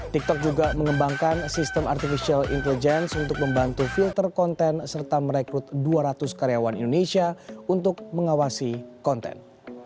tiktok juga mengembangkan sistem artificial intelligence untuk membantu filter konten serta merekrut dua ratus karyawan indonesia untuk mengawasi konten